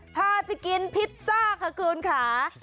พาไปกินพิซซ่าค่ะคุณค่ะ